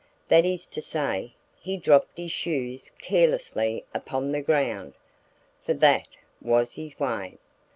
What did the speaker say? That is to say, he dropped his shoes carelessly upon the ground (for that was his way!)